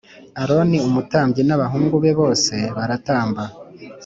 Aroni umutambyi n abahungu be bose baratamba